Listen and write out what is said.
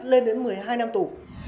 lên đến một mươi hai năm tù